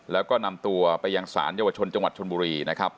แล้วก็นำตัวไปยังศาลเยาวชนจังหวัดชนบุรีนะครับ